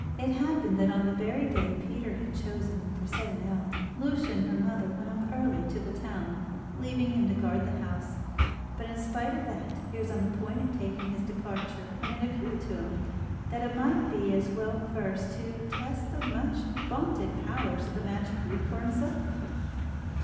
It happened that on the very day Peter had chosen for setting out, Lucia and her mother went off early to the town, leaving him to guard the house; but in spite of that he was on the point of taking his departure when it occurred to him that it might be as well first to test the much vaunted powers of the magic root for himself.